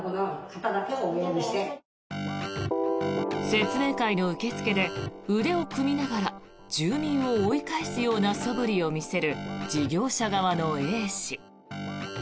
説明会の受付で腕を組みながら住民を追い返すようなそぶりを見せる事業者側のＡ氏。